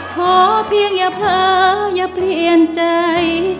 เพราะเพียงอย่าเพลิงอย่าเปลี่ยนใจ